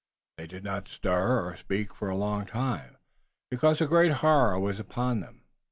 They did not stir or speak for a long time, because a great horror was upon them.